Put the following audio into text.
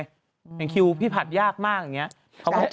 เห็นคิวพี่ผัดยากมากอย่างนี้